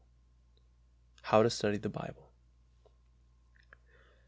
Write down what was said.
How to Study the Bible.